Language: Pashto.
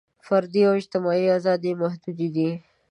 فردي او اجتماعي ازادۍ محدودې دي.